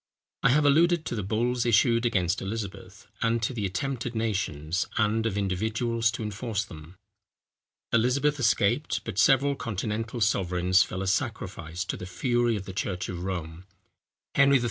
I have alluded to the bulls issued against Elizabeth, and to the attempts of nations, and of individuals, to enforce them. Elizabeth escaped; but several continental sovereigns fell a sacrifice to the fury of the church of Rome. Henry III.